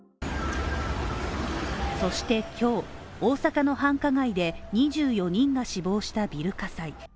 そして今日、大阪の繁華街で２４人が死亡したビル火災。